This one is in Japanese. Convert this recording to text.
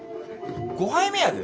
５杯目やで？